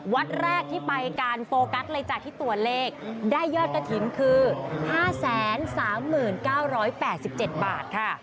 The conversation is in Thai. วัดแรกที่ไปการโฟกัสเลยจ้ะที่ตัวเลขได้ยอดกระถิ่นคือ๕๓๙๘๗บาทค่ะ